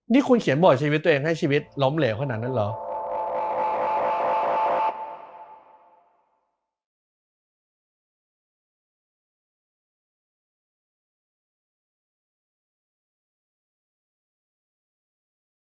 นี่คุณเขียนบ่อยชีวิตตัวเองให้ชีวิตล้มเหลวขนาดนั้นเหรอ